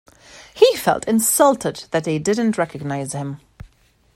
He felt insulted that they didn't recognise him.